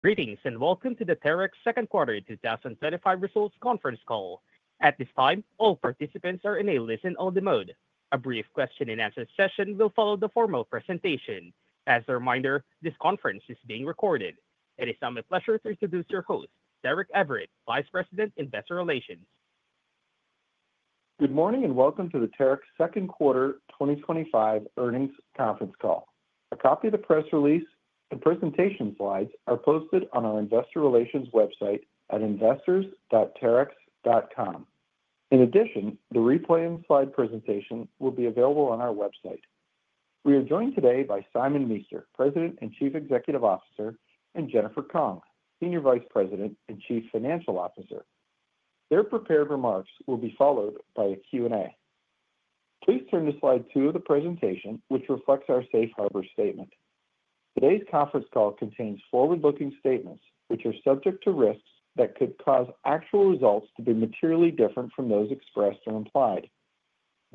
Greetings, and welcome to the Terex Second Quarter twenty twenty five Results Conference Call. At this time, all participants are in a listen only mode. A brief question and answer session will follow the formal presentation. As a reminder, this conference is being recorded. It is now my pleasure to introduce your host, Derek Everett, Vice President, Investor Relations. Good morning, and welcome to the Terex second quarter twenty twenty five earnings conference call. A copy of the press release and presentation slides are posted on our Investor Relations website at investors.terex.com. In addition, the replay and slide presentation will be available on our website. We are joined today by Simon Meester, President and Chief Executive Officer and Jennifer Kong, Senior Vice President and Chief Financial Officer. Their prepared remarks will be followed by a Q and A. Please turn to Slide two of the presentation, which reflects our safe harbor statement. Today's conference call contains forward looking statements, which are subject to risks that could cause actual results to be materially different from those expressed or implied.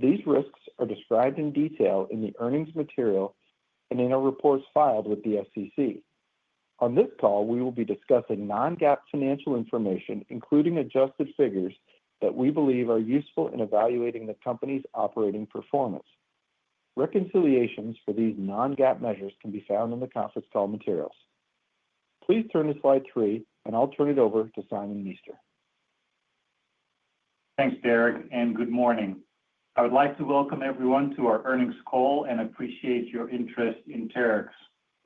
These risks are described in detail in the earnings material and in our reports filed with the SEC. On this call, we will be discussing non GAAP financial information, including adjusted figures that we believe are useful in evaluating the company's operating performance. Reconciliations for these non GAAP measures can be found in the conference call materials. Please turn to Slide three, and I'll turn it over to Simon and Easter. Thanks, Derek, and good morning. I would like to welcome everyone to our earnings call and appreciate your interest in Terex.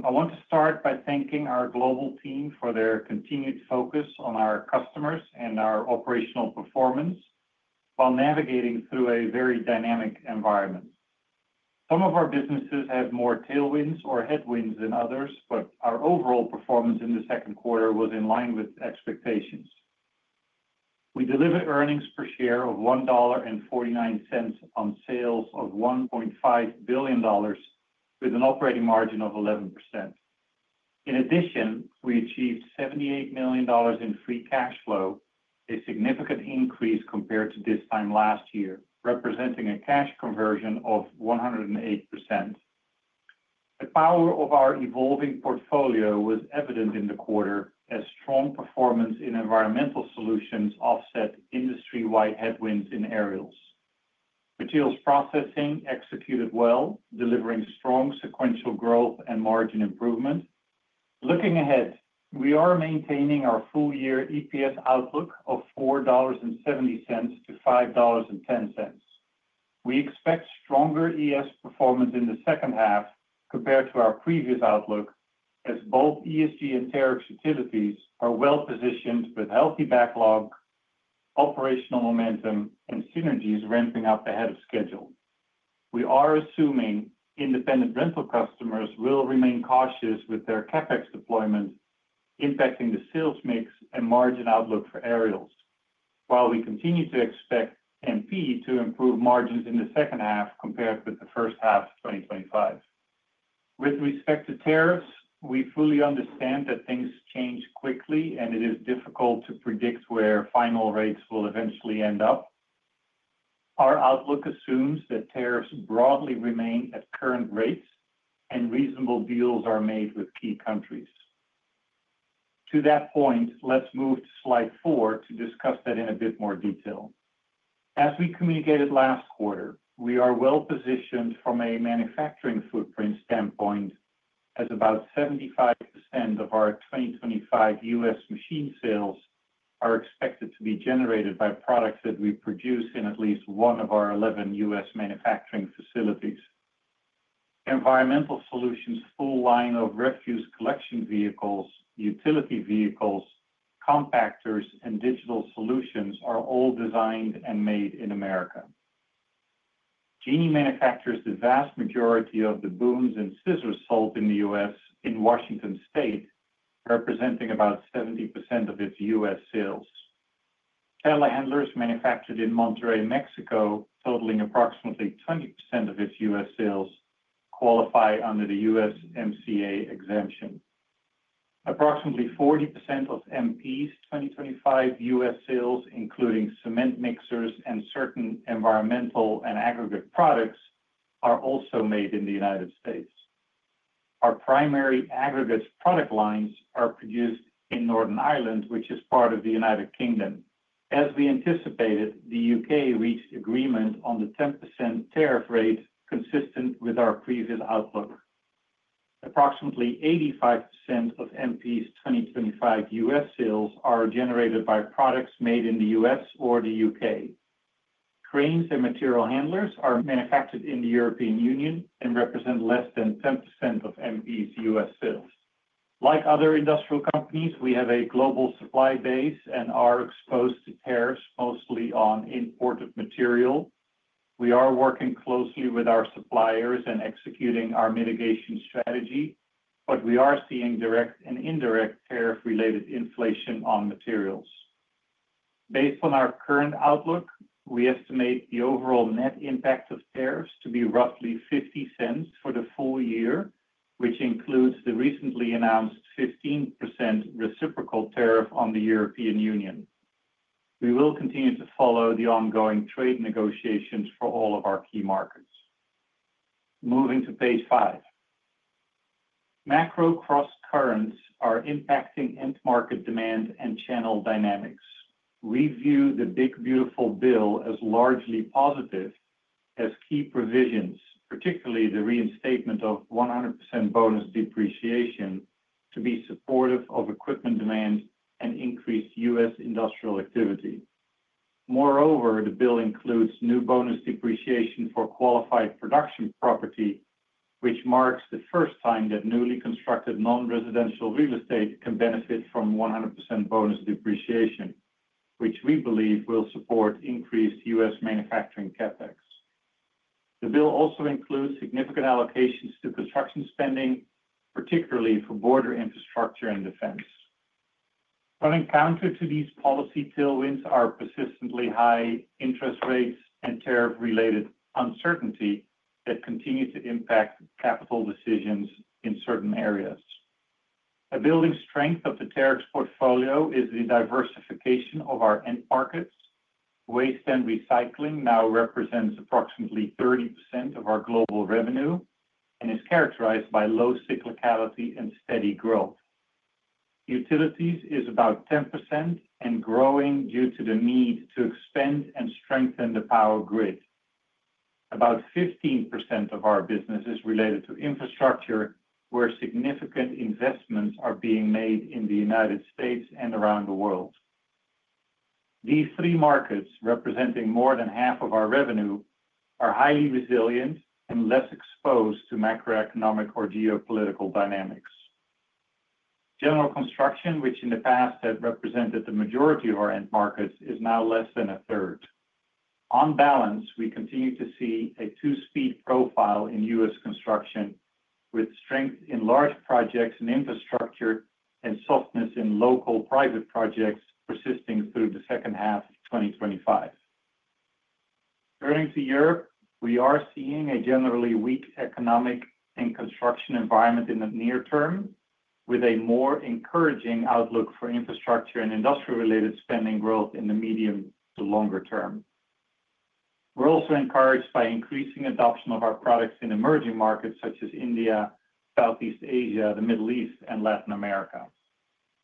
I want to start by thanking our global team for their continued focus on our customers and our operational performance while navigating through a very dynamic environment. Some of our businesses have more tailwinds or headwinds than others, but our overall performance in the second quarter was in line with expectations. We delivered earnings per share of $1.49 on sales of $1,500,000,000 with an operating margin of 11%. In addition, we achieved $78,000,000 in free cash flow, a significant increase compared to this time last year, representing a cash conversion of 108%. The power of our evolving portfolio was evident in the quarter as strong performance in Environmental Solutions offset industry wide headwinds in Aerials. Materials Processing executed well, delivering strong sequential growth and margin improvement. Looking ahead, we are maintaining our full year EPS outlook of $4.7 to $5.1 We expect stronger ES performance in the second half compared to our previous outlook as both ESG and Terex utilities are well positioned with healthy backlog, operational momentum and synergies ramping up ahead of schedule. We are assuming independent rental customers will remain cautious with their CapEx deployment impacting the sales mix and margin outlook for aerials, while we continue to expect MP to improve margins in the second half compared with the 2025. With respect to tariffs, we fully understand that things change quickly and it is difficult to predict where final rates will eventually end up. Our outlook assumes that tariffs broadly remain at current rates and reasonable deals are made with key countries. To that point, let's move to Slide four to discuss that in a bit more detail. As we communicated last quarter, we are well positioned from a manufacturing footprint standpoint as about 75% of our twenty twenty five U. S. Machine sales are expected to be generated by products that we produce in at least one of our 11 U. S. Manufacturing facilities. Environmental Solutions' full line of refuse collection vehicles, utility vehicles, compactors and digital solutions are all designed and made in America. Genie manufacturers the vast majority of the Booms and Scissors sold in The U. S. In Washington state, representing about 70% of its U. S. Sales. Airline handlers manufactured in Monterrey, Mexico, approximately 20% of its U. S. Sales, qualify under the USMCA exemption. Approximately 40% of MP's twenty twenty five U. S. Sales, including cement mixers and certain environmental and aggregate products, are also made in The United States. Our primary aggregates product lines are produced in Northern Ireland, is part of The United Kingdom. As we anticipated, The UK reached agreement on the 10% tariff rate consistent with our previous outlook. Approximately 85% of MP's 2025 U. S. Sales are generated by products made in The U. S. Or The U. K. Cranes and material handlers are manufactured in the European Union and represent less than 10% of MPE's U. S. Sales. Like other industrial companies, we have a global supply base and are exposed to tariffs mostly on imported material. We are working closely with our suppliers and executing our mitigation strategy, but we are seeing direct and indirect tariff related inflation on materials. Based on our current outlook, we estimate the overall net impact of tariffs to be roughly €0.50 for the full year, which includes the recently announced 15% reciprocal tariff on the European Union. We will continue to follow the ongoing trade negotiations for all of our key markets. Moving to Page five. Macro crosscurrents are impacting end market demand and channel dynamics. We view the big beautiful bill as largely positive as key provisions, particularly the reinstatement of 100% bonus depreciation to be supportive of equipment demand and increased U. S. Industrial activity. Moreover, the bill includes new bonus depreciation for qualified production property, which marks the first time that newly constructed nonresidential real estate can benefit from 100% bonus depreciation, which we believe will support increased U. S. Manufacturing CapEx. The bill also includes significant allocations to construction spending, particularly for border infrastructure and defense. On encounter to these policy tailwinds are persistently high interest rates and tariff related uncertainty that continue to impact capital decisions in certain areas. A building strength of the tariffs portfolio is the diversification of our end markets. Waste and recycling now represents approximately 30% of our global revenue and is characterized by low cyclicality and steady growth. Utilities is about 10% and growing due to the need to expand and strengthen the power grid. About 15% of our business is related to infrastructure where significant investments are being made in The United States and around the world. These three markets representing more than half of our revenue are highly resilient and less exposed to macroeconomic or geopolitical dynamics. General construction, which in the past has represented the majority of our end markets is now less than onethree. On balance, we continue to see a two speed profile in U. S. Construction with strength in large projects and infrastructure and softness in local private projects persisting through the 2025. Turning to Europe, we are seeing a generally weak economic and construction environment in the near term with a more encouraging outlook for infrastructure and industrial related spending growth in the medium to longer term. We're also encouraged by increasing adoption of our products in emerging markets such as India, Southeast Asia, The Middle East and Latin America.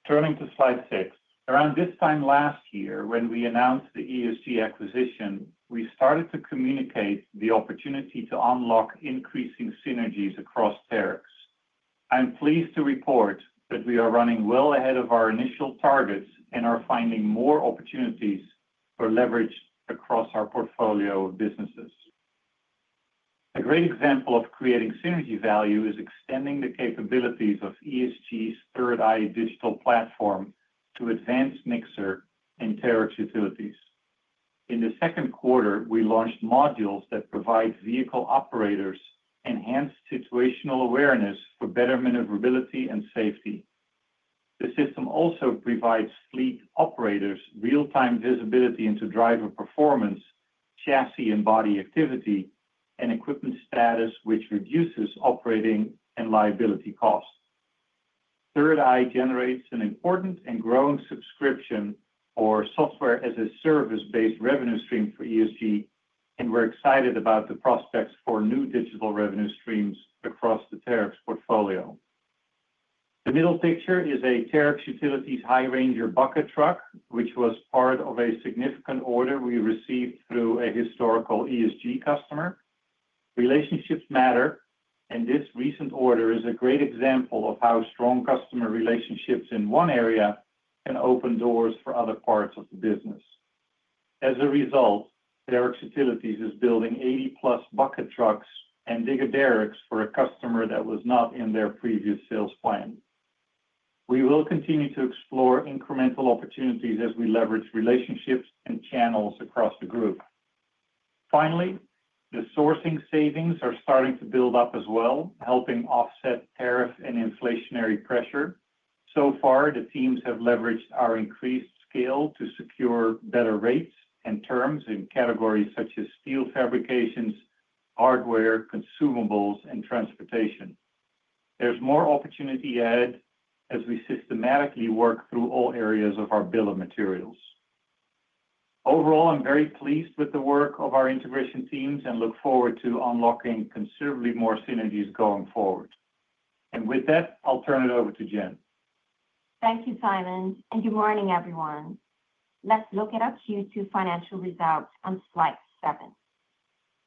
Turning to Slide six. Around this time last year, when we announced the ESG acquisition, we started to communicate the opportunity to unlock increasing synergies across Terex. I'm pleased to report that we are running well ahead of our initial targets and are finding more opportunities for leverage across our portfolio of businesses. A great example of creating synergy value extending the capabilities of ESG's Third Eye digital platform to advance mixer and Terex utilities. In the second quarter, we launched modules that provide vehicle operators enhanced situational awareness for better maneuverability and safety. The system also provides fleet operators real time visibility into driver performance, chassis and body activity and equipment status, which reduces operating and liability costs. Third Eye generates an important and growing subscription or software as a service based revenue stream for ESG, and we're excited about the prospects for new digital revenue streams across the Terex portfolio. The middle picture is a Terex Utilities High Ranger bucket truck, which was part of a significant order we received through a historical ESG customer. Relationships matter and this recent order is a great example of how strong customer relationships in one area can open doors for other parts of the business. As a result, Derek's Utilities is building 80 plus bucket trucks and digger derricks for a customer that was not in their previous sales plan. We will continue to explore incremental opportunities as we leverage relationships and channels across the group. Finally, the sourcing savings are starting to build up as well, helping offset tariff and inflationary pressure. So far, the teams have leveraged our increased scale to secure better rates and terms in categories such as steel fabrications, hardware, consumables and transportation. There's more opportunity added as we systematically work through all areas of our bill of materials. Overall, I'm very pleased with the work of our integration teams and look forward to unlocking considerably more synergies going forward. And with that, I'll turn it over to Jen. Thank you, Simon, and good morning, everyone. Let's look at our Q2 financial results on Slide seven.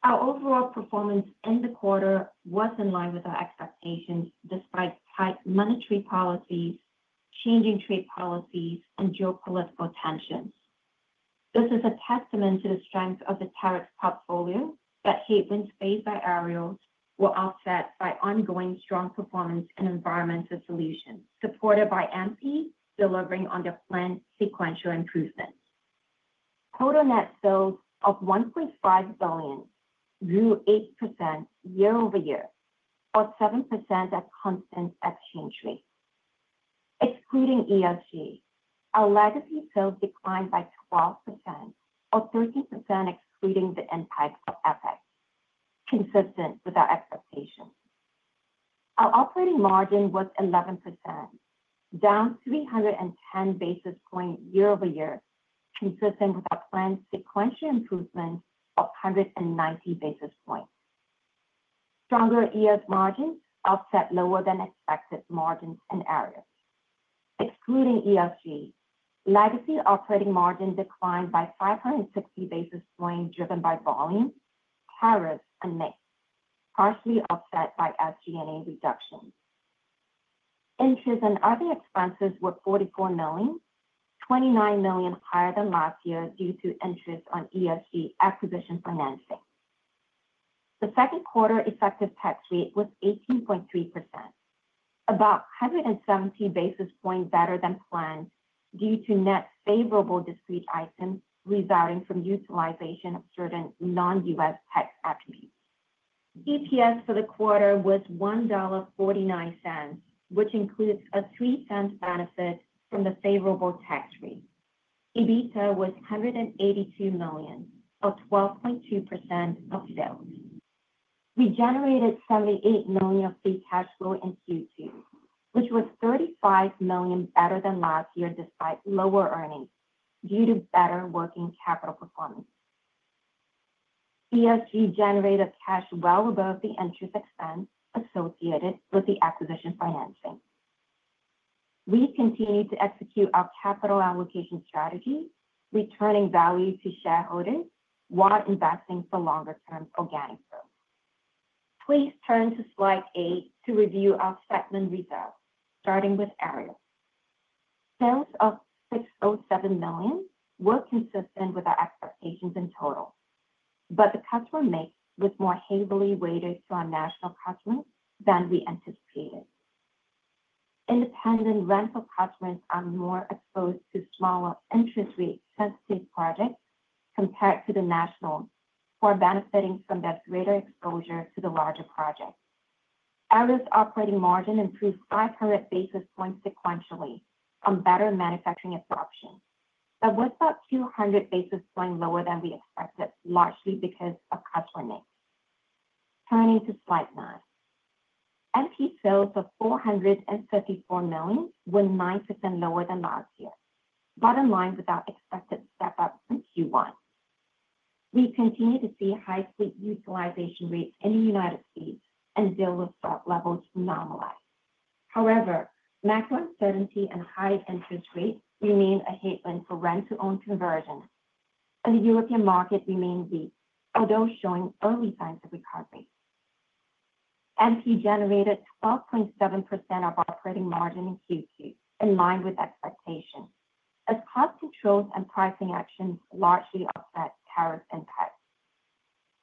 Our overall performance in the quarter was in line with our expectations despite tight monetary policies, changing trade policies and geopolitical tensions. This is a testament to the strength of the tariff portfolio that headwinds faced by Aerials were offset by ongoing strong performance in environmental solutions supported by MP delivering on the planned sequential improvement. Total net sales of $1,500,000,000 grew 8% year over year or 7% at constant exchange rate. Excluding ESG, our legacy sales declined by 12% or 13% excluding the impact of FX, consistent with our expectations. Our operating margin was 11%, down three ten basis points year over year, consistent with our planned sequential improvement of 190 basis points. Stronger ES margins offset lower than expected margins in areas. Excluding ESG, legacy operating margin declined by five sixty basis points driven by volume, tariffs and mix, partially offset by SG and A reduction. Interest and other expenses were $44,000,000.29000000 dollars higher than last year due to interest on ESG acquisition financing. The second quarter effective tax rate was 18.3%, about 170 basis points better than planned due to net favorable discrete items residing from utilization of certain non U. S. Tax attributes. EPS for the quarter was $1.49 which includes a $03 benefit from the favorable tax rate. EBITDA was $182,000,000 up 12.2% of sales. We generated $78,000,000 of free cash flow in Q2, which was $35,000,000 better than last year despite lower earnings due to better working capital performance. ESG generated cash well above the interest expense associated with the acquisition financing. We continue to execute our capital allocation strategy, returning value to shareholders while investing for longer term organic growth. Please turn to Slide eight to review our segment results, starting with Aerial. Sales of $6.00 $7,000,000 were consistent with our expectations in total, but the customer mix was more heavily weighted to our national customers than we anticipated. Independent rental customers are more exposed to smaller interest rate sensitive projects compared to the national for benefiting from that greater exposure to the larger project. Aerial's operating margin improved 500 basis points sequentially from better manufacturing absorption, but was about 200 basis points lower than we expected, largely because of customer mix. Turning to Slide nine. MP sales of $434,000,000 were 9% lower than last year, bottom line without expected step up from Q1. We continue to see high fleet utilization rates in The United States and deal with spot levels normalize. However, macro uncertainty and high interest rates remain a headwind for rent to own conversion, and the European market remains weak, although showing early signs of recovery. NP generated 12.7% of operating margin in Q2, in line with expectations, as cost controls and pricing actions largely offset tariff impact.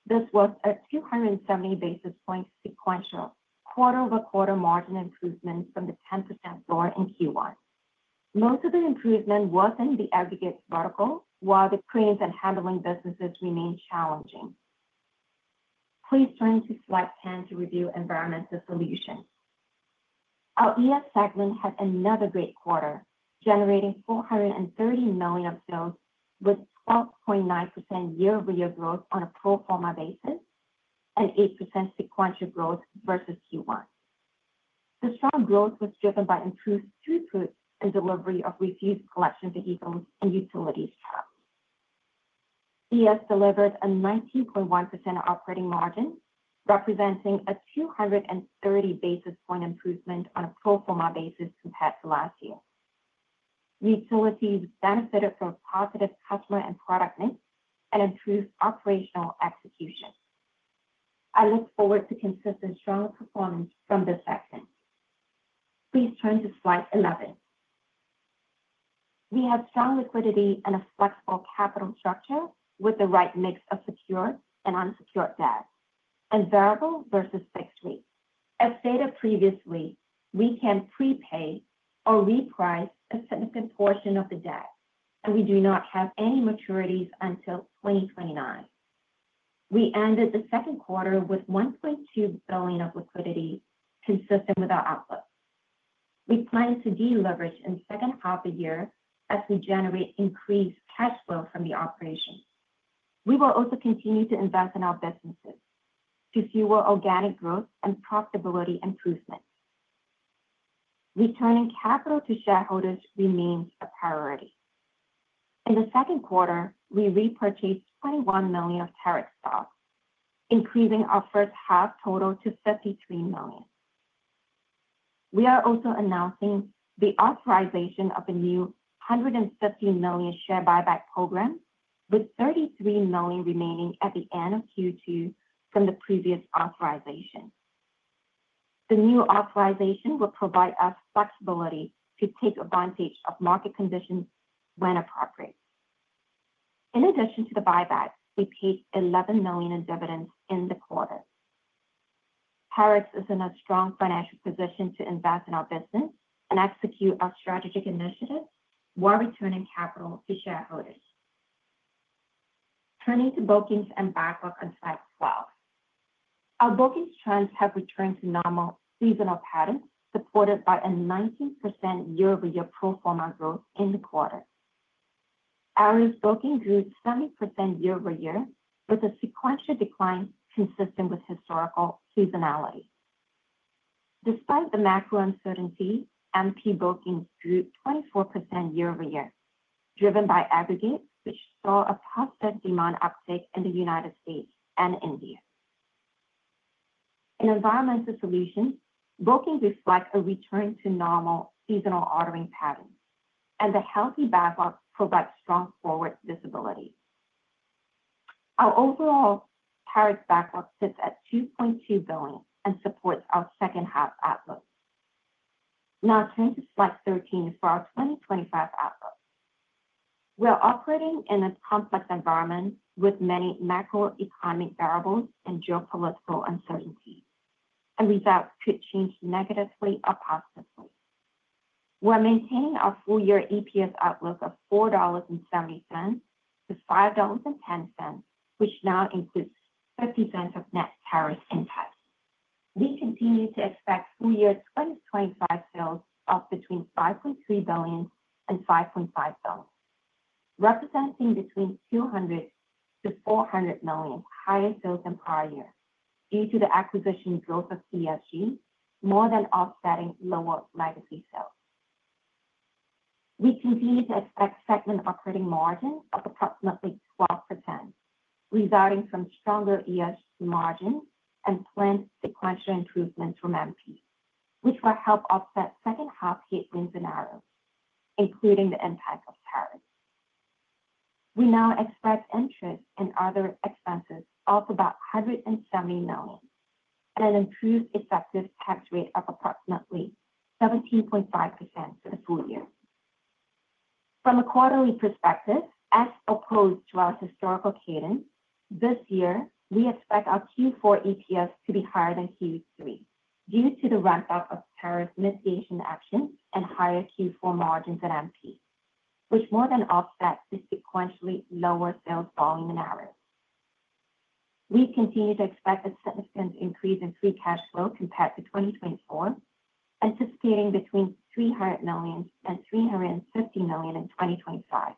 This was a February basis point sequential quarter over quarter margin improvement from the 10% lower in Q1. Most of the improvement was in the aggregates vertical, while the cranes and handling businesses remain challenging. Please turn to Slide 10 to review Environmental Solutions. Our ES segment had another great quarter, generating four thirty million dollars of sales with 12.9% year over year growth on a pro form a basis and 8% sequential growth versus Q1. The strong growth was driven by improved throughput and delivery of Refused Collection Vehicles and Utilities Trust. CES delivered a 19.1 operating margin, representing a two thirty basis point improvement on a pro form a basis compared to last year. Utilities benefited from positive customer and product mix and improved operational execution. I look forward to consistent strong performance from this segment. Please turn to Slide 11. We have strong liquidity and a flexible capital structure with the right mix of secured and unsecured debt and variable versus fixed rate. As stated previously, we can prepay or reprice a significant portion of the debt, and we do not have any maturities until 2029. We ended the second quarter with $1,200,000,000 of liquidity consistent with our outlook. We plan to deleverage in the second half of the year as we generate increased cash flow from the operation. We will also continue to invest in our businesses to fuel organic growth and profitability improvement. Returning capital to shareholders remains a priority. In the second quarter, we repurchased $21,000,000 of Terex stock, increasing our first half total to $53,000,000 We are also announcing the authorization of a new $150,000,000 share buyback program with $33,000,000 remaining at the end of Q2 from the previous authorization. The new authorization will provide us flexibility to take advantage of market conditions when appropriate. In addition to the buyback, we paid $11,000,000 in dividends in the quarter. Parex is in a strong financial position to invest in our business and execute our strategic initiatives while returning capital to shareholders. Turning to bookings and backlog on Slide 12. Our bookings trends have returned to normal seasonal patterns supported by a 19% year over year pro form a growth in the quarter. Average booking grew 7% year over year with a sequential decline consistent with historical seasonality. Despite the macro uncertainty, MP bookings grew 24% year over year, driven by aggregate, which saw a positive demand uptick in The United States and India. In Environmental Solutions, bookings reflect a return to normal seasonal ordering pattern, and the healthy backlog provides strong forward visibility. Our overall tariff backlog sits at $2,200,000,000 and supports our second half outlook. Now turning to Slide 13 for our 2025 outlook. We are operating in a complex environment with many macroeconomic variables and geopolitical uncertainty, and results could change negatively or positively. We're maintaining our full year EPS outlook of $4.7 to $5.1 which now includes 50% of net tariff impact. We continue to expect full year 2025 sales of between 5,300,000,000 and $5,500,000,000 representing between 200 to $400,000,000 higher sales than prior year due to the acquisition growth of ESG more than offsetting lower legacy sales. We continue to expect segment operating margin of approximately 12% resulting from stronger ESG margin and planned sequential improvement from MP, which will help offset second half headwind scenarios, including the impact of tariffs. We now expect interest and other expenses of about $170,000,000 and an improved effective tax rate of approximately 17.5% for the full year. From a quarterly perspective, as opposed to our historical cadence, this year, we expect our Q4 EPS to be higher than Q3 due to the ramp up of tariff mitigation actions and higher Q4 margins at MP, which more than offset the sequentially lower sales volume in ARREST. We continue to expect a significant increase in free cash flow compared to 2024, anticipating between $300,000,000 and $350,000,000 in 2025,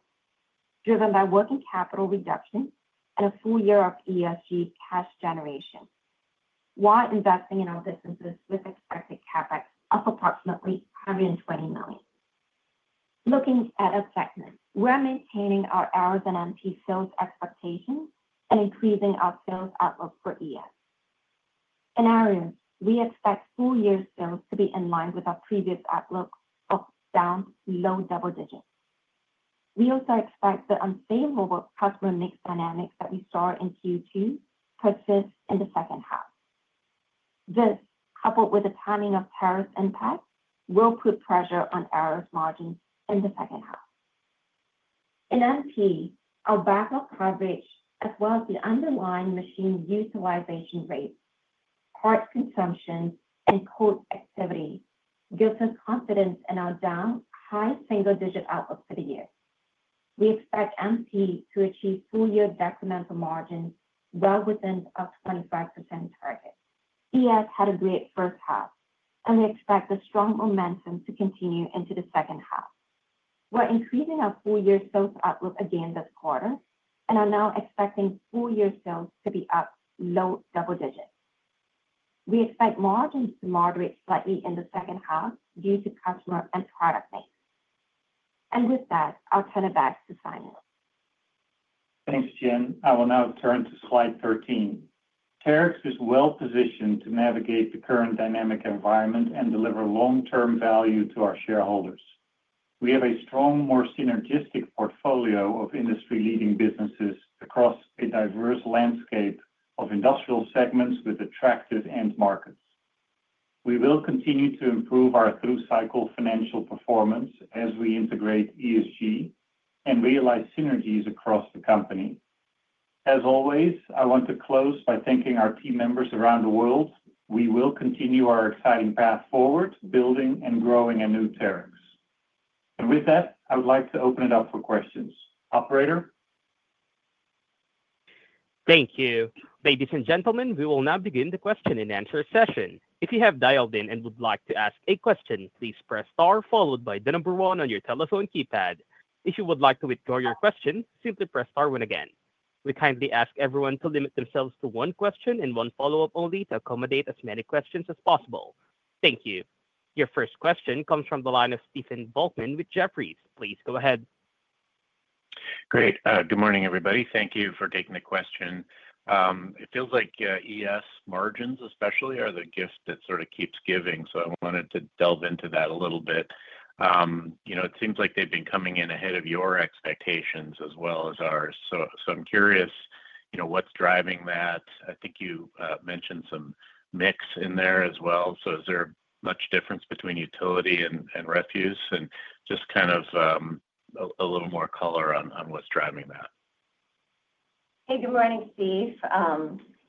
driven by working capital reduction and a full year of ESG cash generation, while investing in our businesses with expected CapEx of approximately $120,000,000 Looking at our segment, we are maintaining our R and M sales expectations and increasing our sales outlook for ES. In our end, we expect full year sales to be in line with our previous outlook of down low double digits. We also expect the unfavorable customer mix dynamics that we saw in Q2 persist in the second half. This, coupled with the timing of tariff impact, will put pressure on ARR's margins in the second half. In MP, our backlog coverage as well as the underlying machine utilization rates, part consumption and quote activity gives us confidence in our down high single digit outlook for the year. We expect MP to achieve full year decremental margins well within our 25% target. ES had a great first half, and we expect the strong momentum to continue into the second half. We're increasing our full year sales outlook again this quarter and are now expecting full year sales to be up low double digits. We expect margins to moderate slightly in the second half due to customer and product mix. And with that, I'll turn it back to Simon. Thanks, Jen. I will now turn to Slide 13. Terex is well positioned to navigate the current dynamic environment and deliver long term value to our shareholders. We have a strong, more synergistic portfolio of industry leading businesses across a diverse landscape of industrial segments with attractive end markets. We will continue to improve our through cycle financial performance as we integrate ESG and realize synergies across the company. As always, I want to close by thanking our team members around the world. We will continue our exciting path forward, building and growing a new Terex. And with that, I would like to open it up for questions. Operator? Thank Your first question comes from the line of Stephen Volkmann with Jefferies. Please go ahead. Great. Good morning, everybody. Thank you for taking the question. It feels like ES margins, especially, are the gift that sort of keeps giving. So I wanted to delve into that a little bit. You know, it seems like they've been coming in ahead of your expectations as well as ours. So so I'm curious, you know, what's driving that? I think you mentioned some mix in there as well. So is there much difference between utility and and refuse? And just kind of, a a little more color on on what's driving that. Hey. Good morning, Steve.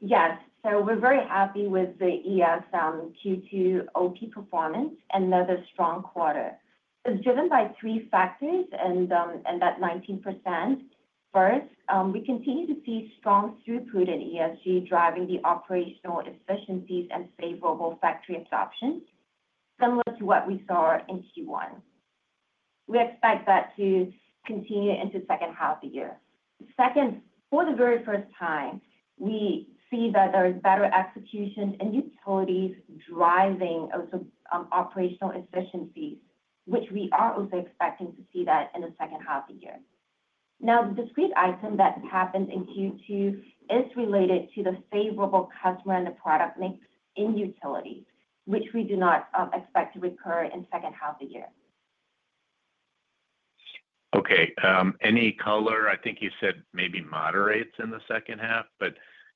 Yes. So we're very happy with the ES, q two OP performance, another strong quarter. It's driven by three factors and that 19%. First, we continue to see strong throughput in ESG driving the operational efficiencies and favorable factory adoption, similar to what we saw in Q1. Expect that to continue into second half of the year. Second, for the very first time, we see that there is better execution and utilities driving also operational efficiencies, which we are also expecting to see that in the second half of the year. Now the discrete item that happened in Q2 is related to the favorable customer and the product mix in utility, which we do not expect to recur in second half of the year. Okay. Any color? I think you said maybe moderates in the second half, but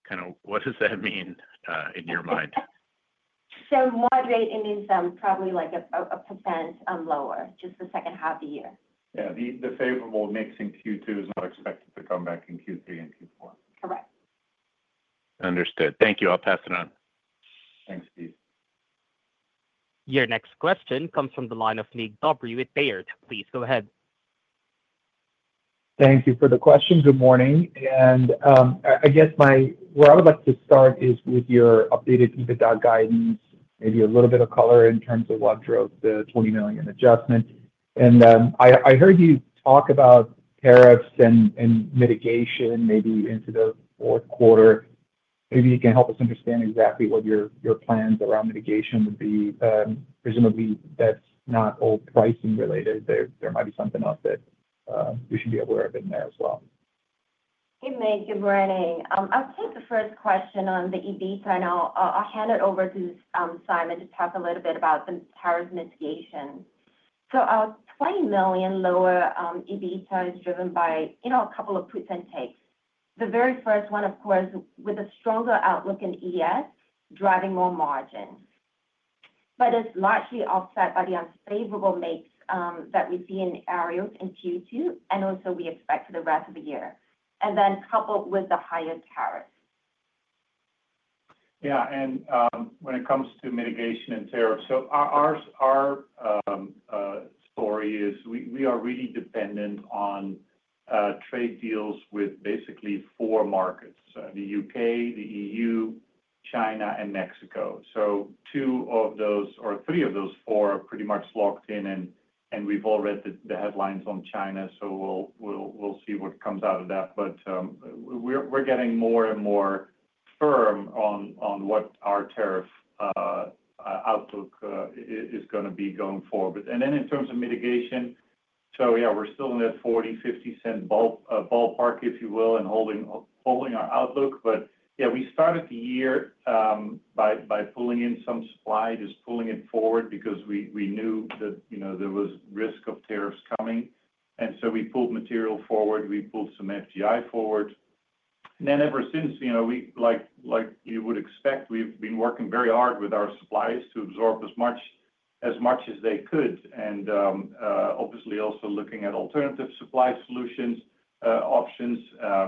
kind of what does that mean in your mind? So moderate, it means probably like a a percent lower, just the second half of the year. Yes. The favorable mix in Q2 is not expected to come back in Q3 and Q4. Correct. Understood. Thank you. I'll pass it on. Thanks, Steve. Your next question comes from the line of Mig Dobre with Baird. Please go ahead. Thank you for the question. Good morning. And I guess my where I would like to start is with your updated EBITDA guidance, maybe a little bit of color in terms of what drove the $20,000,000 adjustment. And I heard you talk about tariffs and mitigation maybe into the fourth quarter. Maybe you can help us understand exactly what your plans around mitigation would be. Presumably, that's not all pricing related. There there might be something else that, we should be aware of in there as well. Hey, Meg. Good morning. I'll take the first question on the EBITDA, and I'll I'll hand it over to, Simon to talk a little bit about the tariff mitigation. Our 20,000,000 lower EBITDA is driven by, you know, a couple of puts and takes. The very first one, of course, with a stronger outlook in ES driving more margin, But it's largely offset by the unfavorable mix, that we see in Aerials in q two and also we expect for the rest of the year, and then coupled with the higher tariff. Yeah. And, when it comes to mitigation and tariffs, so ours our, story is we we are really dependent on, trade deals with basically four markets, The UK, the EU, China and Mexico. So two of those or three of those four are pretty much locked in, and we've all read the the headlines on China. So we'll we'll we'll see what comes out of that. But, we're we're getting more and more firm on on what our tariff, outlook is gonna be going forward. And then in terms of mitigation, so, yeah, we're still in that $40.50 cent ball ballpark, if you will, in holding holding our outlook. But, yeah, we started the year, by by pulling in some supply, just pulling it forward because we we knew that, you know, there was risk of tariffs coming. And so we pulled material forward. We pulled some FTI forward. And then ever since, you know, we like like you would expect, we've been working very hard with our suppliers to absorb as much as much as they could and, obviously, looking at alternative supply solutions options,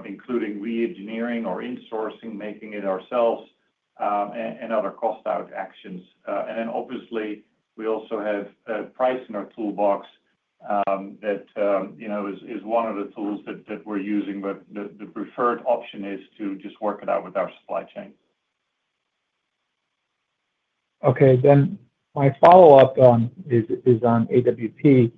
including reengineering or insourcing, making it ourselves, and other cost out actions. And then obviously, we also have pricing our toolbox that is one of the tools that we're using, but the preferred option is to just work it out with our supply chain. Okay. Then my follow-up is on AWP.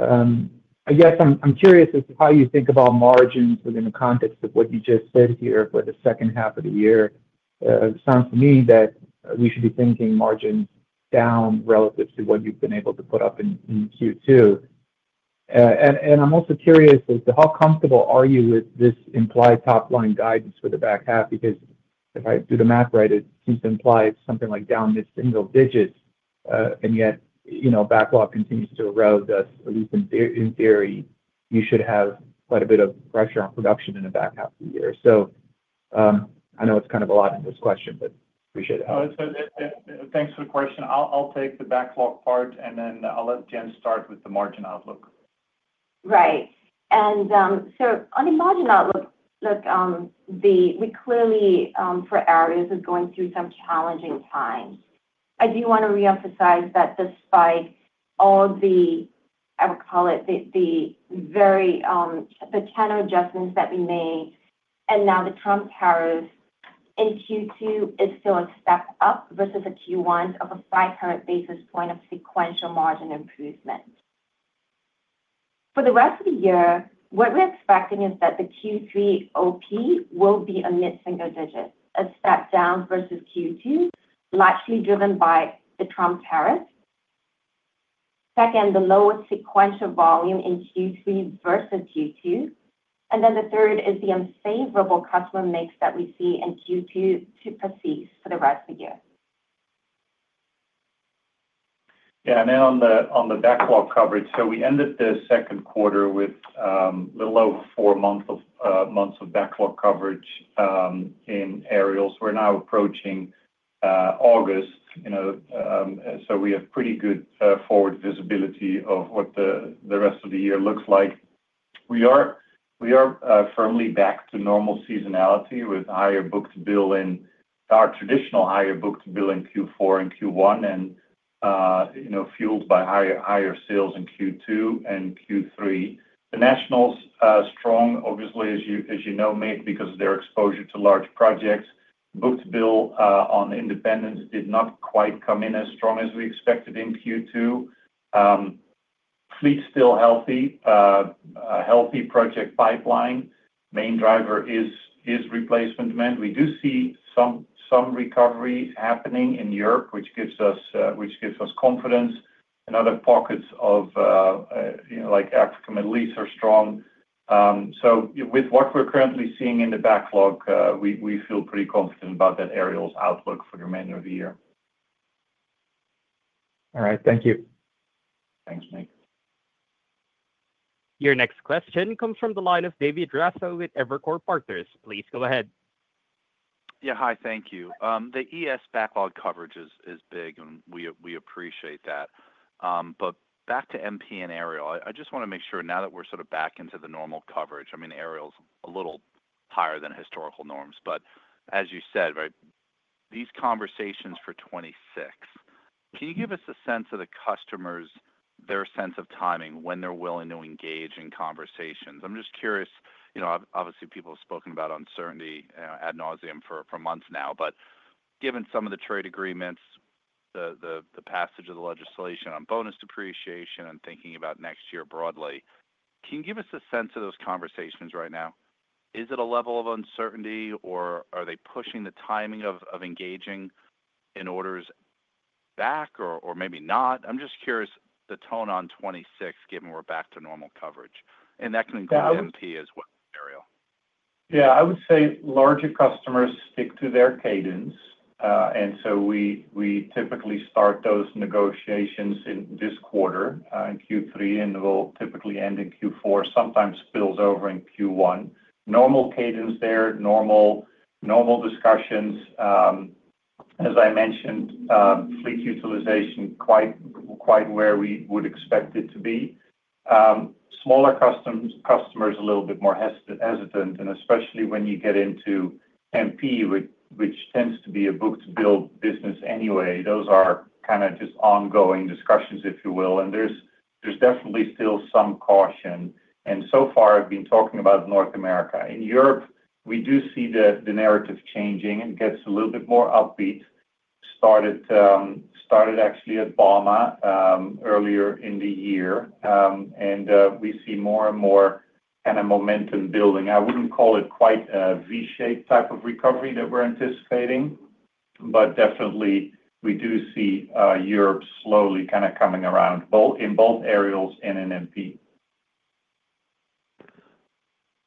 I guess I'm curious as to how you think about margins within the context of what you just said here for the second half of the year. It sounds to me that we should be thinking margins down relative to what you've been able to put up in Q2. And I'm also curious as to how comfortable are you with this implied top line guidance for the back half? Because if I do the math right, it seems to imply something like down mid single digits, and yet you know, backlog continues to erode us. At least in in theory, you should have quite a bit of pressure on production in the back half of the year. So, I know it's kind of a lot in this question, but appreciate it. Thanks for the question. I'll I'll take the backlog part, and then I'll let Jen start with the margin outlook. Right. And, so on the margin outlook, look. The we clearly, for areas, is going through some challenging times. I do wanna reemphasize that despite all the, I would call it, the the very the channel adjustments that we made and now the Trump tariffs in q two is still a step up versus the Q1 of a 500 basis point of sequential margin improvement. For the rest of the year, what we're expecting is that the Q3 OP will be a mid single digit, a step down versus Q2, largely driven by the Trump tariff second, the lowest sequential volume in Q3 versus Q2 and then the third is the unfavorable customer mix that we see in Q2 to proceed for the rest of the year. Yes. And then on the backlog coverage, so we ended the second quarter with the low four months of backlog coverage in Aerials. We're now approaching August. So we have pretty good forward visibility of what the rest of the year looks like. We are firmly back to normal seasonality with higher book to bill in our traditional higher book to bill in Q4 and Q1 and fueled by higher sales in Q2 and Q3. The nationals, strong, obviously, as you know, mate, because of their exposure to large projects. Book to bill on independents did not quite come in as strong as we expected in Q2. Fleet still healthy, a healthy project pipeline. Main driver is replacement demand. We do see some recoveries happening in Europe, which gives us confidence. And other pockets of like Africa, Middle East are strong. So with what we're currently seeing in the backlog, we feel pretty confident about that Aerial's outlook for the remainder of the year. All right. Thank you. Thanks, Nick. Your next question comes from the line of David Drasso with Evercore Partners. Please go ahead. Yes. Hi. Thank you. The ES backlog coverage is big, and we appreciate that. But back to MP and Aerial, I just want to make sure now that we're sort of back into the normal coverage, I mean Aerial is a little higher than historical norms. But as you said, right, these conversations for '26, can you give us a sense of the customers, their sense of timing when they're willing to engage in conversations? I'm just curious, obviously, people have spoken about uncertainty ad nauseam for months now. But given some of the trade agreements, the passage of the legislation on bonus depreciation and thinking about next year broadly, can you give us a sense of those conversations right now? Is it a level of uncertainty? Or are they pushing the timing of engaging in orders back or maybe not? I'm just curious, the tone on '26, given we're back to normal coverage. That can include NP as well, Ariel. I would say larger customers stick to their cadence. And so we typically start those negotiations in this quarter in Q3 and will typically end in Q4, sometimes spills over in Q1. Normal cadence there, discussions. As I mentioned, fleet utilization quite where we would expect it to be. Smaller customers a little bit more hesitant and especially when you get into MP, which tends to be a book to bill business anyway, those are kind of just ongoing discussions, if you will. And there's definitely still some caution. And so far, I've been talking about North America. In Europe, we do see the narrative changing and gets a little bit more upbeat. Started actually at BAMA earlier in the year, and we see more and more kind of momentum building. I wouldn't call it quite a V shaped type of recovery that we're anticipating, but definitely, we do see Europe slowly kind of coming around in both aerials and in MP.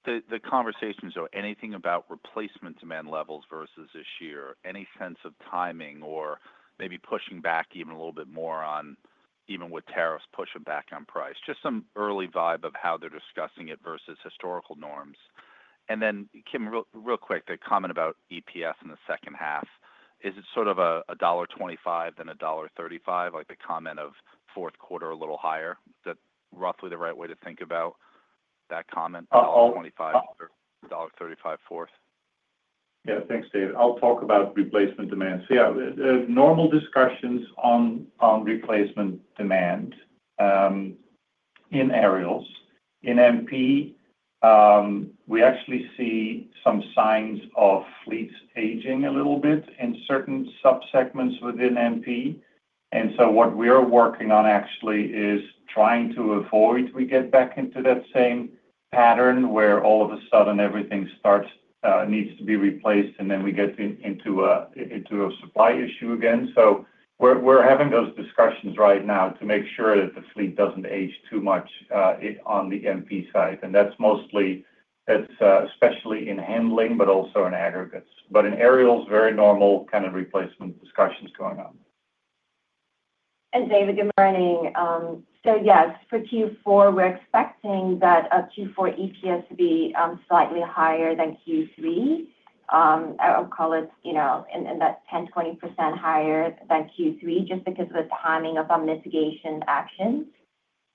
The conversations or anything about replacement demand levels versus this year? Any sense of timing or maybe pushing back even a little bit more on even with tariffs pushing back on price? Just some early vibe of how they're discussing it versus historical norms. And then Kim, real quick, the comment about EPS in the second half. Is it sort of $1.25 than $1.35 like the comment of fourth quarter a little higher? Is that roughly the right way to think about that comment, dollars 1.25 or $1.35 fourth? Yes. Thanks, Dave. I'll talk about replacement demand. So yes, normal discussions on replacement demand in aerials. In MP, we actually see some signs of fleets aging a little bit in certain subsegments within MP. And so what we are working on actually is trying to avoid we get back into that same pattern where all of a sudden everything starts, needs to be replaced and then we get into a supply issue again. So we're having those discussions right now to make sure that the fleet doesn't age too much on the MP side. And that's mostly that's especially in handling but also in aggregates. But in Aerial, it's very normal kind of replacement discussions going on. And David, good morning. So yes, for Q4, we're expecting that Q4 EPS to be slightly higher than Q3. I'll call it in that 1020% higher than q three just because of the timing of our mitigation actions,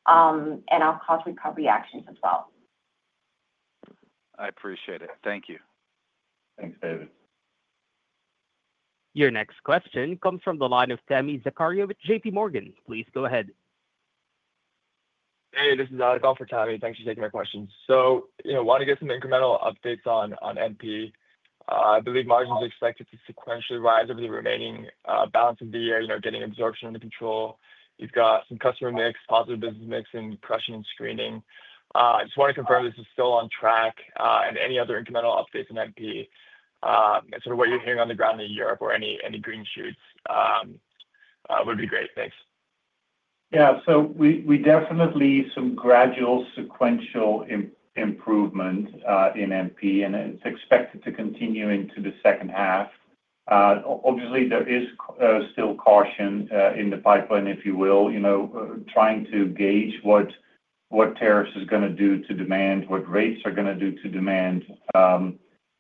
and our cost recovery actions as well. I appreciate it. Thank you. Thanks, David. Your next question comes from the line of Tammy Zakaria with JPMorgan. Please go ahead. Hey, this is Alex on for Tammy. Thanks for taking my questions. So, want to get some incremental updates on NP. I believe margins are expected to sequentially rise over the remaining balance of the year, you know, getting absorption under control. You've got some customer mix, positive business mix in crushing and screening. I just wanna confirm this is still on track, and any other incremental updates in NP and sort of what you're hearing on the ground in Europe or any green shoots would be great. Thanks. Yeah. So we definitely some gradual sequential improvement in MP, and it's expected to continue into the second half. Obviously, there is still caution in the pipeline, if you will, trying to gauge what tariffs is going to do to demand, what rates are going to do to demand.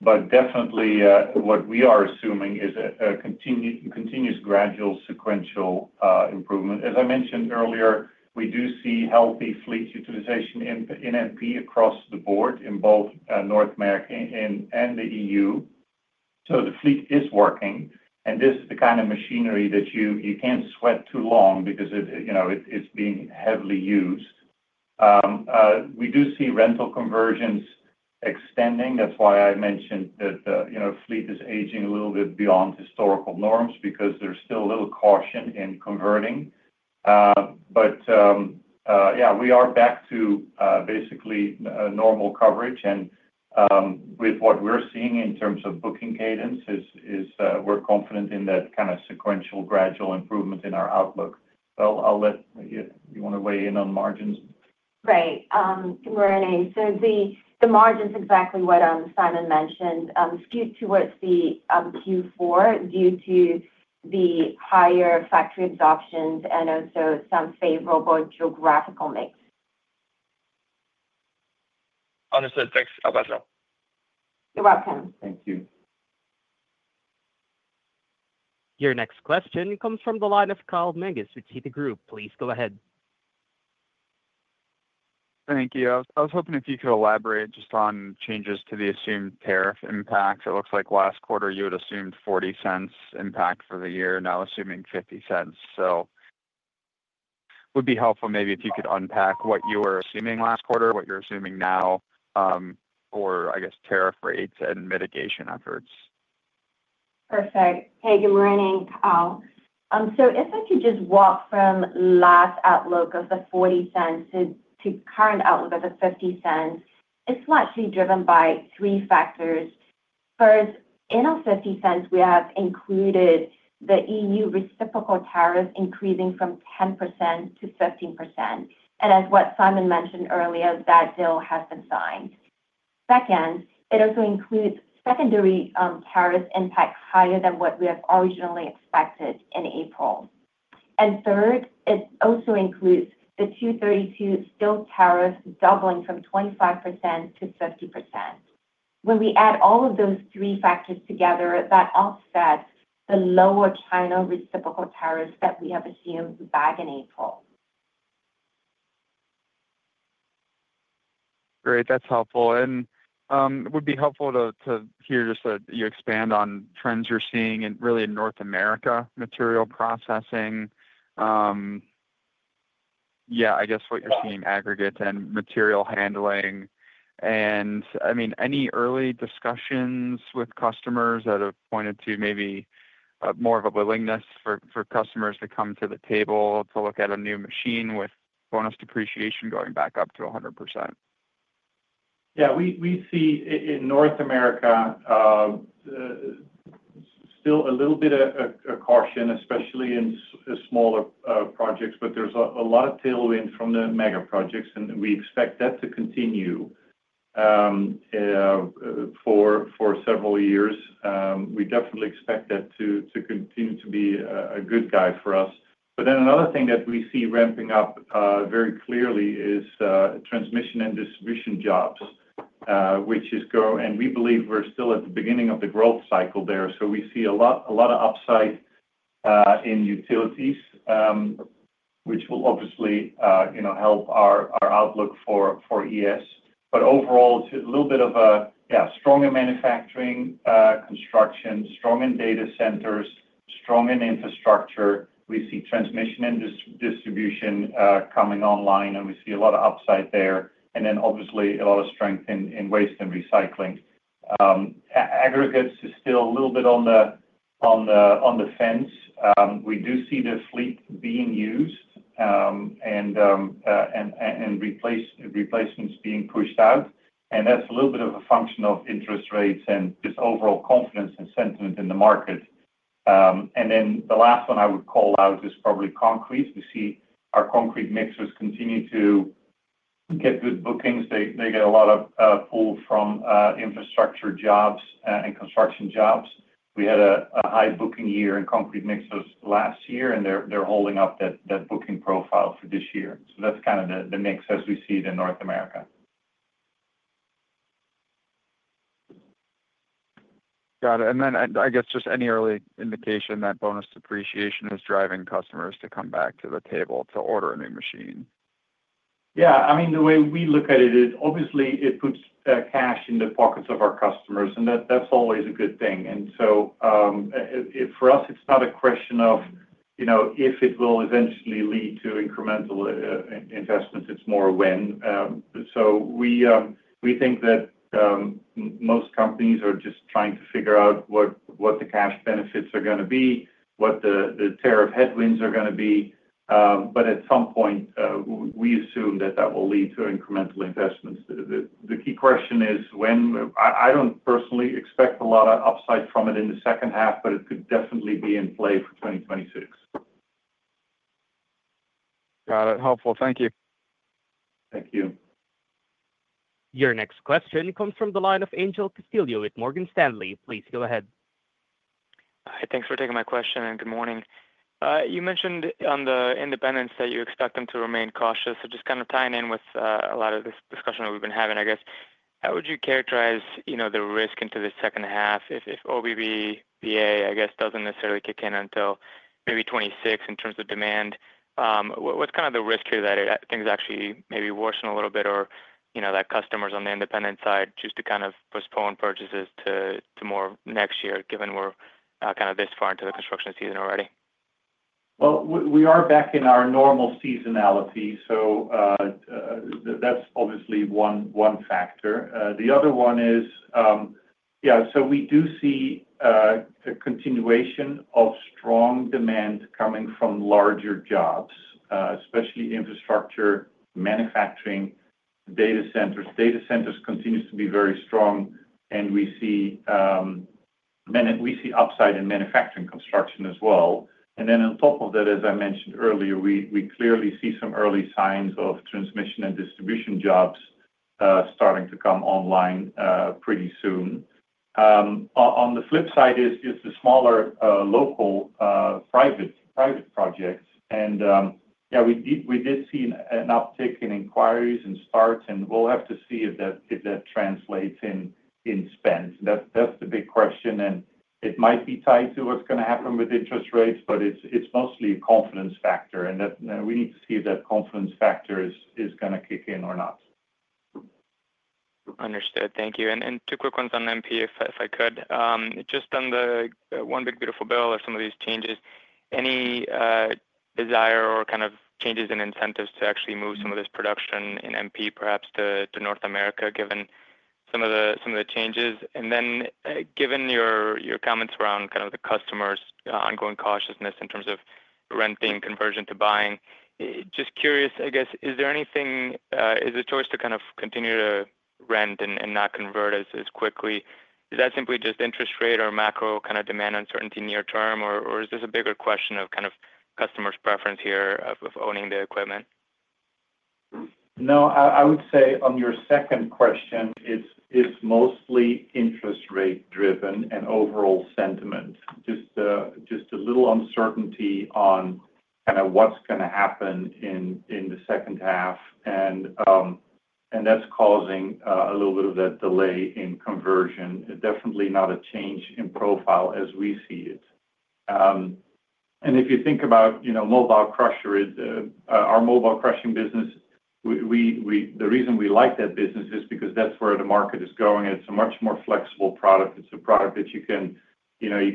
But definitely, what we are assuming is a continuous gradual sequential improvement. As I mentioned earlier, we do see healthy fleet utilization in NP across the board in both North America and The EU. So the fleet is working, and this is the kind of machinery that you can't sweat too long because it's being heavily used. We do see rental conversions extending. That's why I mentioned that fleet is aging a little bit beyond historical norms because there's still a little caution in converting. But, yeah, we are back to basically normal coverage. And with what we're seeing in terms of booking cadence is we're confident in that kind of sequential gradual improvement in our outlook. I'll let you want to weigh in on margins? Right. Good morning. So the margin is exactly what Simon mentioned skewed towards the q four due to the higher factory adoptions and also some favorable geographical mix. Understood. Thanks. I'll pass it on. You're welcome. Thank you. Your next question comes from the line of Kyle Mengus with Citigroup. Please go ahead. Thank you. I was hoping if you could elaborate just on changes to the assumed tariff impact. It looks like last quarter you had assumed $0.40 impact for the year, now assuming $0.50 So would be helpful maybe if you could unpack what you were assuming last quarter, what you're assuming now, or I guess tariff rates and mitigation efforts. Perfect. Hey, good morning, Kyle. So if I could just walk from last outlook of the $0.40 to current outlook of the $0.50 it's largely driven by three factors. First, in our $0.50 we have included the EU reciprocal tariff increasing from 10% to 15%. And as what Simon mentioned earlier, that bill has been signed. Second, it also includes secondary tariff impact higher than what we have originally expected in April. And third, it also includes the two thirty two steel tariffs doubling from 25% to 50%. When we add all of those three factors together, that offset the lower China reciprocal tariffs that we have assumed back in April. Great. That's helpful. And, it would be helpful to hear just that you expand on trends you're seeing in, really, North America material processing. Yeah. I guess what you're seeing aggregate and material handling. And, I mean, any early discussions with customers that have pointed to maybe more of a willingness for customers to come to the table to look at a new machine with bonus depreciation going back up to 100%? Yes. We see in North America still a little bit of caution, especially in smaller projects, but there's a lot of tailwind from the mega projects, and we expect that to continue for several years. We definitely expect that to continue to be a good guide for us. But then another thing that we see ramping up very clearly is transmission and distribution jobs, which is growing and we believe we're still at the beginning of the growth cycle there. So we see a lot of upside in utilities, which will obviously help our outlook for ES. But overall, it's a little bit of a, yeah, stronger manufacturing, construction, strong in data centers, strong in infrastructure. We see transmission and distribution, coming online, and we see a lot of upside there. And then obviously, a lot of strength in waste and recycling. Aggregates is still a little bit on the fence. We do see the fleet being used and replacements being pushed out. And that's a little bit of a function of interest rates and just overall confidence and sentiment in the market. And then the last one I would call out is probably concrete. We see our concrete mix has continued to get good bookings. They get a lot of pull from infrastructure jobs and construction jobs. We had a high booking year in concrete mixes last year, and they're holding up that booking profile for this year. So that's kind of the mix as we see it in North America. Got it. And then I guess just any early indication that bonus depreciation is driving customers to come back to the table to order a new machine? Yes. I mean, the way we look at it is, obviously, it puts cash in the pockets of our customers, and that's always a good thing. And so for us, it's not a question of if it will eventually lead to incremental investments. It's more when. So we think that most companies are just trying to figure out what the cash benefits are going to be, what the tariff headwinds are going to be. But at some point, we assume that, that will lead to incremental investments. Key question is when I don't personally expect a lot of upside from it in the second half, but it could definitely be in play for 2026. Got it. Helpful. Thank you. Thank you. Your next question comes from the line of Angel Castillo with Morgan Stanley. Please go ahead. Hi. Thanks for taking my question and good morning. You mentioned on the independents that you expect them to remain cautious. So just kind of tying in with a lot of this discussion that we've been having, guess, how would you characterize the risk into the second half if OBB BA, I guess, doesn't necessarily kick in until maybe 2026 in terms of demand? What's kind of the risk here that things actually maybe worsen a little bit or that customers on the independent side just to kind of postpone purchases to more next year given we're kind of this far into the construction season already? Well, we are back in our normal seasonality. So that's obviously one factor. The other one is yes, so we do see a continuation of strong demand coming from larger jobs, especially infrastructure, manufacturing, data centers. Data centers continues to be very strong, and we see upside in manufacturing construction as well. And then on top of that, as I mentioned earlier, we clearly see some early signs of transmission and distribution jobs starting to come online pretty soon. On the flip side is the smaller local private projects. And yes, we did see an uptick in inquiries and starts, and we'll have to see if that translates in spend. That's the big question. And it might be tied to what's going to happen with interest rates, but it's mostly a confidence factor. And we need to see if that confidence factor is going to kick in or not. Understood. Thank you. And and two quick ones on MP, if if I could. Just on the one big beautiful bill of some of these changes, any, desire or kind of changes in incentives to actually move some of this production in MP perhaps to North America given some of the changes? And then given your comments around kind of the customers' ongoing cautiousness in terms of rent being conversion to buying, Just curious, I guess, is there anything is the choice to kind of continue to rent and not convert as quickly? Is that simply just interest rate or macro kind of demand uncertainty near term? Or is this a bigger question of kind of customers' preference here of owning the equipment? No. I would say on your second question, it's mostly interest rate driven and overall sentiment. Just a little uncertainty on kind of what's going to happen in the second half, and that's causing a little bit of that delay in conversion. Definitely not a change in profile as we see it. And if you think about mobile crusher, our mobile crushing business, we the reason we like that business is because that's where the market is going. It's a much more flexible product. It's a product that you can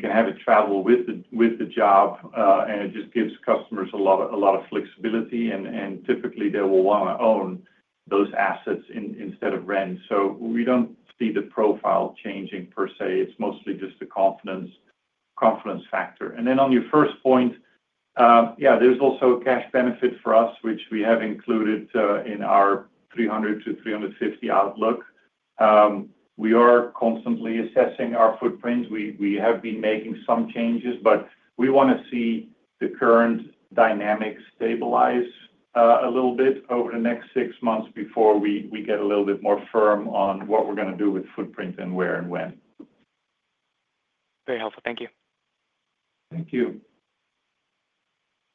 have it travel with the job, and it just gives customers a lot of flexibility. And typically, they will want to own those assets instead of rent. So we don't see the profile changing per se. It's mostly just the confidence factor. And then on your first point, yes, there's also a cash benefit for us, which we have included in our 300,000,000 to $350,000,000 outlook. We are constantly assessing our footprint. We have been making changes, but we want to see the current dynamics stabilize a little bit over the next six months before we get a little bit more firm on what we're going to do with footprint and where and when. Very helpful. Thank you. Thank you.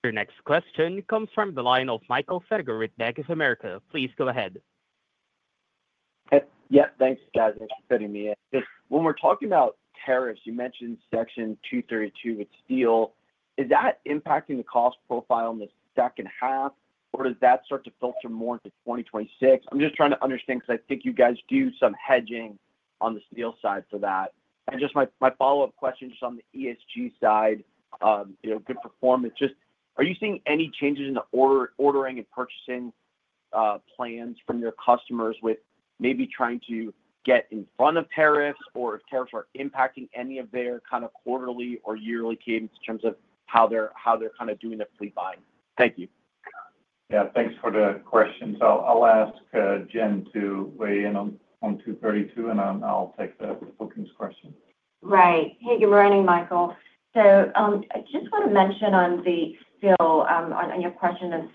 Your next question comes from the line of Michael Fager with Bank of America. Please go ahead. Yes. Thanks, guys. Thanks for fitting me in. When we're talking about tariffs, you mentioned section two thirty two with steel. Is that impacting the cost profile in the second half? Or does that start to filter more into 2026? I'm just trying to understand because I think you guys do some hedging on the steel side for that. And just my my follow-up question just on the ESG side, you know, good performance. Just are you seeing any changes in the order ordering and purchasing, plans from your customers with maybe trying to get in front of tariffs or tariffs are impacting any of their kind of quarterly or yearly cadence in terms of how they're how they're kind of doing the pre buy? Thank you. Yeah. Thanks for the questions. I'll I'll ask, Jen to weigh in on on 02:32, and I'll take the bookings question. Right. Hey, good morning, Michael. So I just want to mention on the still on your question on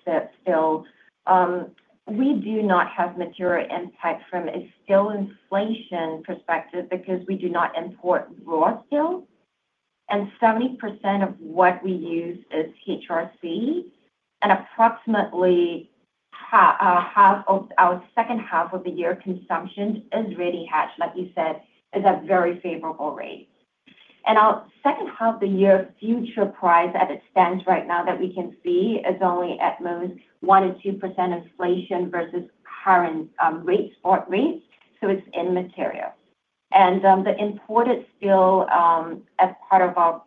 the we do not have material impact from a still inflation perspective because we do not import raw steel. And 70% of what we use is HRC, and approximately half of our second half of the year consumption is really hedged, like you said, is at very favorable rates. And our second half of year future price as it stands right now that we can see is only at most 1% to 2% inflation versus current rates, spot rates, so it's immaterial. And the import is still as part of our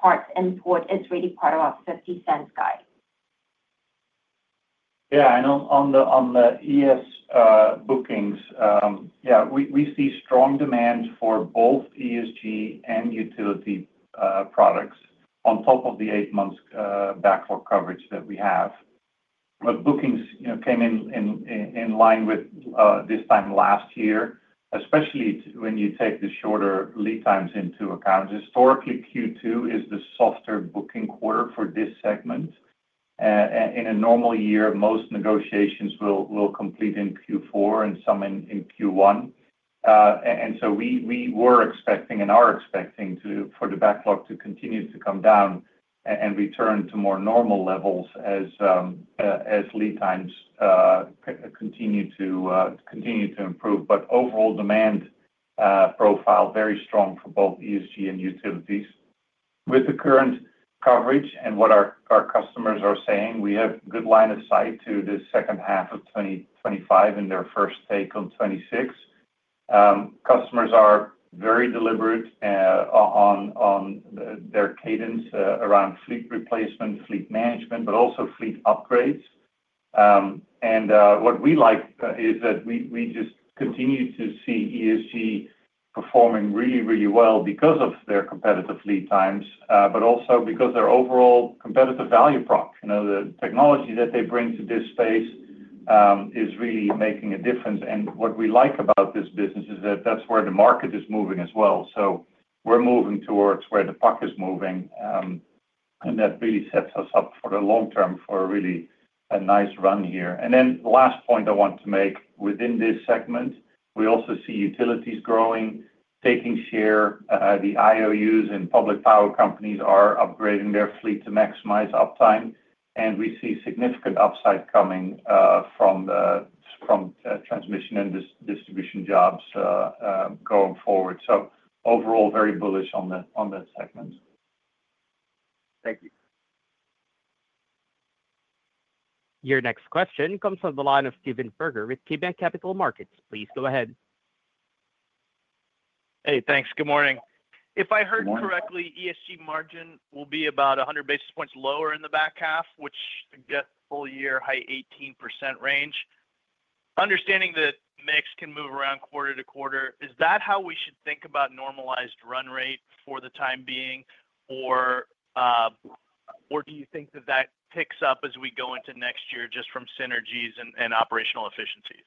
parts import is really part of our $0.50 guide. Yeah. And on the ES bookings, yeah, we see strong demand for both ESG and utility products on top of the eight months backlog coverage that we have. But bookings came in line with this time last year, especially when you take the shorter lead times into account. Historically, Q2 is the softer booking quarter for this segment. In a normal year, most negotiations will complete in Q4 and some in Q1. And so we were expecting and are expecting to for the backlog to continue to come down and return to more normal levels as lead times continue to improve. But overall demand profile, very strong for both ESG and utilities. With the current coverage and what our customers are saying, we have good line of sight to the 2025 and their first take on 2026. Customers are very deliberate on their cadence around fleet replacement, fleet management, but also fleet upgrades. And what we like is that we just continue to see ESG performing really, really well because of their competitive lead times, but also because their overall competitive value prop. The technology that they bring to this space is really making a difference. And what we like about this business is that that's where the market is moving as well. So we're moving towards where the puck is moving, and that really sets us up for the long term for a really nice run here. And then the last point I want to make within this segment, we also see utilities growing, taking share. The IOUs and public power companies are upgrading their fleet to maximize uptime, and we see significant upside coming from transmission and distribution jobs going forward. So overall, very bullish on that segment. Thank you. Your next question comes from the line of Steven Berger with KeyBanc Capital Markets. Please go ahead. Hey, thanks. Good morning. I heard correctly, ESG margin will be about 100 basis points lower in the back half, which gets full year high 18% range. Understanding that mix can move around quarter to quarter, is that how we should think about normalized run rate for the time being? Or do you think that that picks up as we go into next year just from synergies and and operational efficiencies?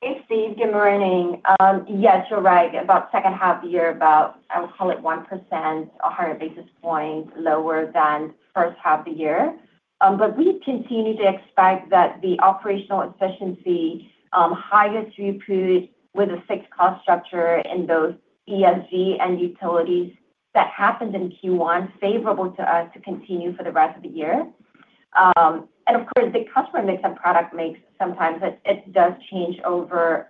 Hey, Steve. Good morning. Yes. You're right. About second half of year about, I would call it, 1%, a 100 basis points lower than first half of the year. But we continue to expect that the operational efficiency, higher throughput with a fixed cost structure in both ESG and utilities that happened in q one favorable to us to continue for the rest of the year. And, of course, the customer mix and product mix sometimes, it it does change over,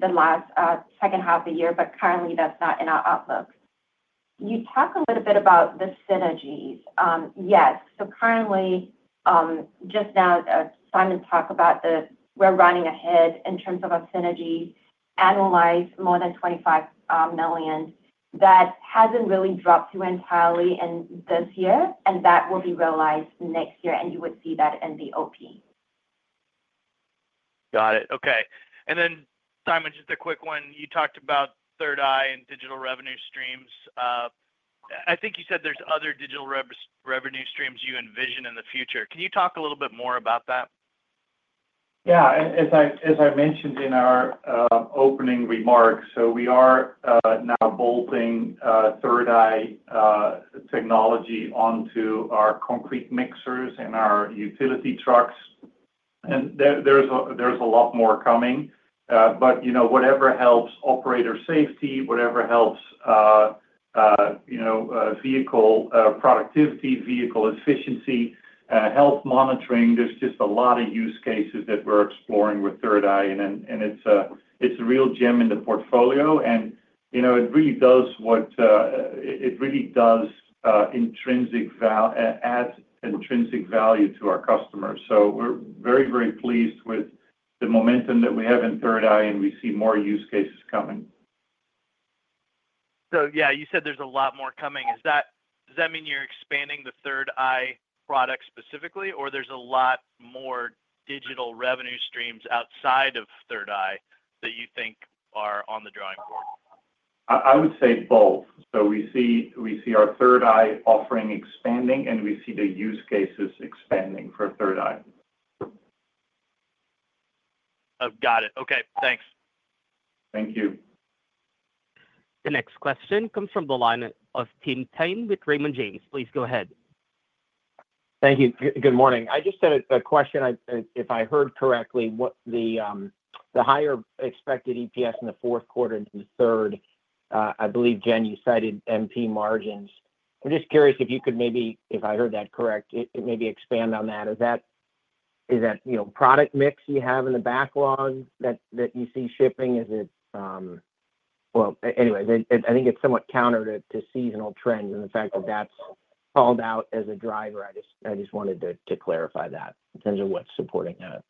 the last, second half of the year, but currently, that's not in our outlook. You talked a little bit about the synergies. Yes. So currently, just now, Simon talked about the we're running ahead in terms of our synergy, annualized more than 25, million That hasn't really dropped to entirely in this year, and that will be realized next year, and you would see that in the OP. Got it. Okay. And then, Simon, just a quick one. You talked about Third Eye and digital revenue streams. I think you said there's other digital revenue streams you envision in the future. Can you talk a little bit more about that? Yeah. As I as I mentioned in our opening remarks, so we are now bolting third eye technology onto our concrete mixers and our utility trucks. And there's a lot more coming. But whatever helps operator safety, whatever helps vehicle productivity, vehicle efficiency, health monitoring, there's just a lot of use cases that we're exploring with Third Eye, and it's a real gem in the portfolio. And it really does what it really does intrinsic adds intrinsic value to our customers. So we're very, very pleased with the momentum that we have in Third Eye, and we see more use cases coming. So, yeah, you said there's a lot more coming. Is that does that mean you're expanding the Third Eye product specifically, or there's a lot more digital revenue streams outside of Third Eye that you think are on the drawing board? I I would say both. So we see we see our Third Eye offering expanding, and we see the use cases expanding for Third Eye. Got it. Okay. Thanks. Thank you. The next question comes from the line of Tim Tain with Raymond James. Please go ahead. Thank you. Good morning. I just had a question, if I heard correctly, what the higher expected EPS in the fourth quarter to the third, I believe, Jen, you cited MP margins. I'm just curious if you could maybe if I heard that correct, maybe expand on that. Is that product mix you have in the backlog that you see shipping? Is it well, anyways, I think it's somewhat counter to seasonal trends and the fact that that's called out as a driver. Just wanted to clarify that in terms of what's supporting that.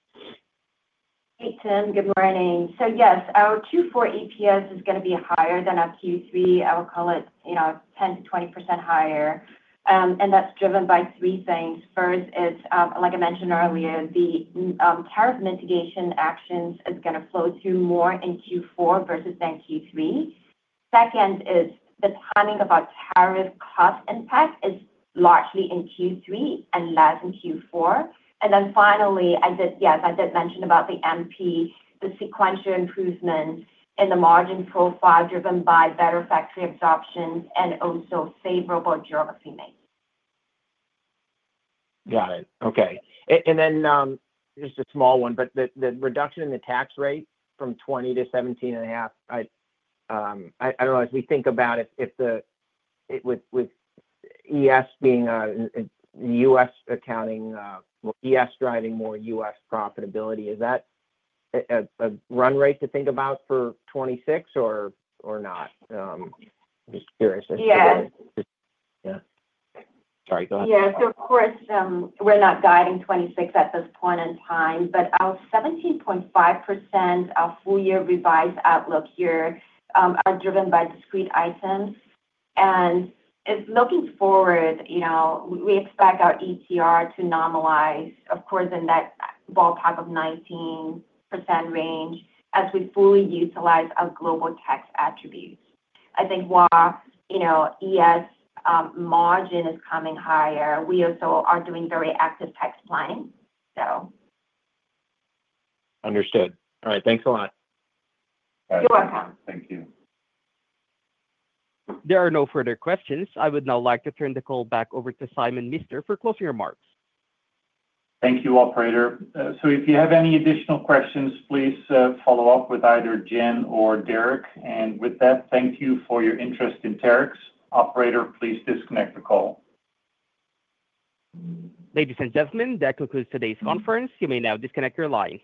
Hey, Tim. Good morning. So yes, our Q4 EPS is going to be higher than our Q3, I will call it, you know, 10% to 20% higher. And that's driven by three things. First is, like I mentioned earlier, the tariff mitigation actions is gonna flow through more in q four versus than q three. Second is the timing of our tariff cost impact is largely in q three and less in q four. And then finally, I did yes. I did mention about the MP, the sequential improvement in the margin profile driven by better factory absorption and also favorable geography mix. Got it. Okay. And then, just a small one, but the the reduction in the tax rate from 20 to 17 and a half, I, I I don't know. As we think about it, if the it with with ES being a US accounting ES driving more US profitability, is that a run rate to think about for '26 or or not? Just curious. Yeah. Sorry. Go ahead. Yeah. So, of course, we're not guiding '26 at this point in time, but our 17.5% of full year revised outlook here, are driven by discrete items. And if looking forward, you know, we expect our ETR to normalize, of course, in that ballpark of 19% range as we fully utilize our global tax attributes. I think while, you know, ES margin is coming higher, we also are doing very active tax planning. So Understood. Alright. Thanks a lot. You're welcome. Thank you. There are no further questions. I would now like to turn the call back over to Simon Mister for closing remarks. Thank you, operator. So if you have any additional questions, please follow-up with either Jen or Derek. And with that, thank you for your interest in Terex. Operator, please disconnect the call. Ladies and gentlemen, that concludes today's conference. You may now disconnect your lines.